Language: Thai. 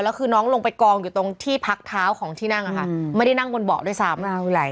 แล้วคือน้องลงไปกองอยู่ตรงที่พักเท้าของที่นั่งอะค่ะไม่ได้นั่งบนเบาะด้วยซ้ำ